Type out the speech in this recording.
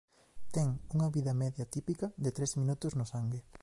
Ten unha vida media típica de tres minutos no sangue.